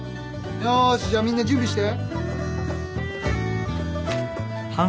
よーしじゃあみんな準備して。